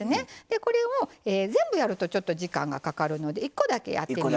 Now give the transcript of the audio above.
これを全部やるとちょっと時間がかかるので１個だけやってみますね。